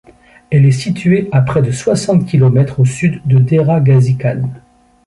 Elle est située à près de soixante kilomètres au sud de Dera Ghazi Khan.